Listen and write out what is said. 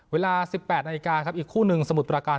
เวลา๑๘นาฬิกาครับอีกคู่หนึ่งสมุทรประการ